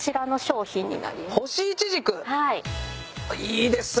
いいですね。